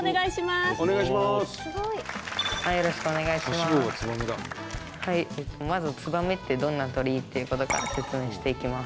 まず「ツバメってどんな鳥？」っていうことから説明していきます。